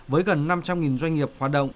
với gần năm trăm linh doanh nghiệp hoạt động